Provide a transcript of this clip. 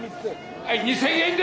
はい２，０００円で！